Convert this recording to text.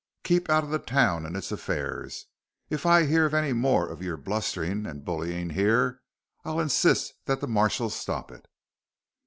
Keep out of the town and its affairs. If I hear of any more of your blustering and bullying here, I'll insist that the marshal stop it."